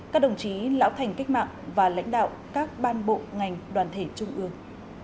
các đồng chí lão thành cách mạng và lãnh đạo các ban bộ ngành đoàn thể trung ương